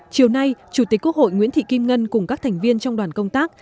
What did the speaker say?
chiều nay chủ tịch quốc hội nguyễn thị kim ngân cùng các thành viên trong đoàn công tác